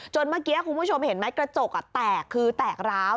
เมื่อกี้คุณผู้ชมเห็นไหมกระจกแตกคือแตกร้าว